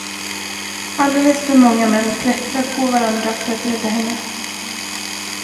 Alldeles för många män, klättrar på varandra för att rädda henne.